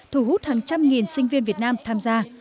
thu hút hàng trăm nghìn sinh viên việt nam tham gia